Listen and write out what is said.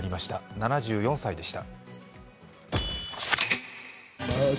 ７４歳でした。